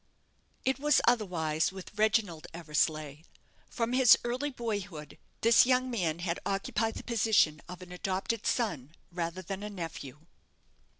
It was otherwise with Reginald Eversleigh. From his early boyhood this young man had occupied the position of an adopted son rather than a nephew.